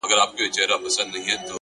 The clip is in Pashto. • څنگه ټینگ به په خپل منځ کي عدالت کړو,